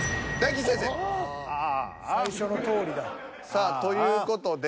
さあという事で。